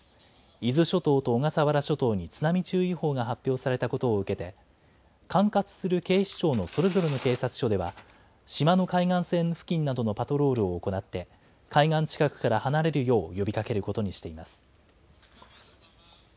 伊豆諸島と小笠原諸島に津波注意報が発表されたことを受けて、管轄する警視庁のそれぞれの警察署では、島の海岸線付近などのパトロールを行って、海岸近くから離れるよう呼びかけることにしています。